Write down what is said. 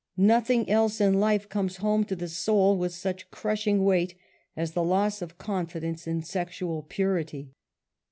iNTothing else in life comes home to the soul with such crushing Aveight as the loss of confidence in sexual purit}'.